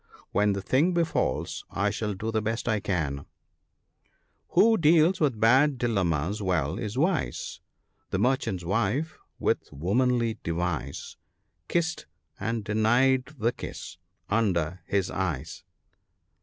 * When the thing befalls I shall do the best I can, —*' Who deals with bad dilemmas well, is wise. The merchant's wife, with womanly device, Kissed — and denied the kiss — under his eyes."